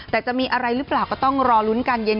แต่จะมีอะไรหรือเปล่าก็ต้องรอลุ้นกันเย็น